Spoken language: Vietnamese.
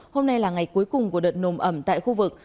hôm nay là ngày cuối cùng của đợt nồm ẩm tại khu vực